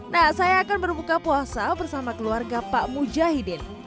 nah saya akan berbuka puasa bersama keluarga pak mujahidin